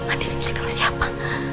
andin diculik sama siapa